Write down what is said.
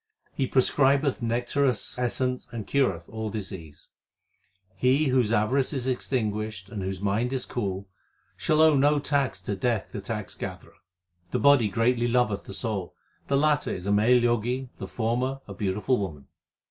He prescribeth nectareous essence and cureth all diseases. He whose avarice is extinguished and whose mind is cool, shall owe no tax to Death the tax gatherer. The body greatly loveth the soul ; The latter is a male Jogi, the former a beautiful woman.